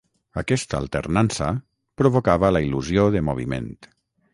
Aquesta alternança provocava la il·lusió de moviment.